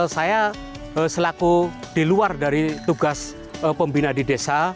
saya selaku di luar dari tugas pembina di desa